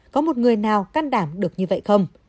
có một người nào căn đảm được như vậy không